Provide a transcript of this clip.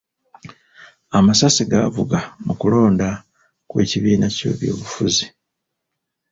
Amasasi gaavuga mu kulonda kw'ekibiina ky'ebyobufuzi.